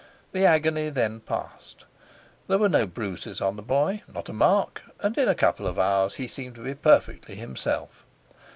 The agony then passed. There were no bruises on the boy, not a mark, and in a couple of hours he seemed to be perfectly himself.